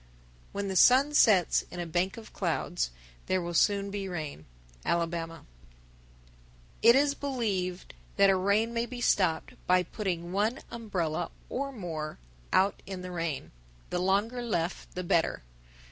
_ 1039. When the sun sets in a bank of clouds, there will soon be rain. Alabama. 1040. It is believed that a rain may be stopped by putting one umbrella or more out in the rain. The longer left the better.